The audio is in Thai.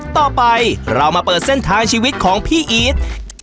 ต่อไปเรามาเปิดเส้นทางชีวิตของพี่อีท